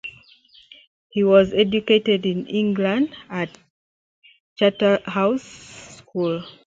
He was educated in England at Charterhouse School.